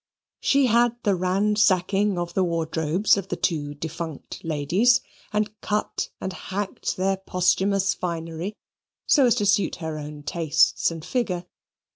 She had the ransacking of the wardrobes of the two defunct ladies, and cut and hacked their posthumous finery so as to suit her own tastes and figure.